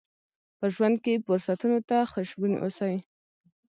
په ژوند کې فرصتونو ته خوشبين اوسئ.